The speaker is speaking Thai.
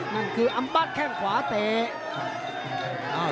นั่นคืออัมปัดแข้งขวาเตะ